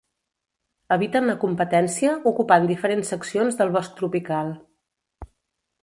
Eviten la competència ocupant diferents seccions del bosc tropical.